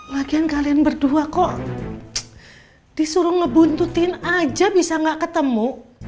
lagian kalian berdua kok disuruh ngebuntutin aja bisa nggak ketemu